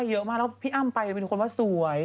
เยอะมากแล้วพี่อ้ำไปเป็นคนว่าสวย